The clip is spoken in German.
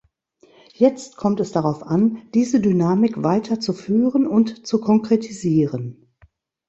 Jetzt kommt es darauf an, diese Dynamik weiter zu führen und zu konkretisieren.